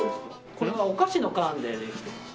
これはお菓子の缶でできてます。